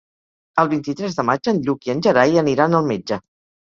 El vint-i-tres de maig en Lluc i en Gerai aniran al metge.